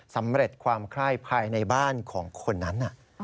สำเร็จความไคร้ภายในบ้านของคนนั้น